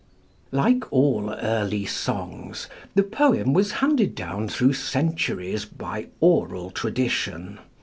Like all early songs, the poem was handed down through centuries by oral tradition.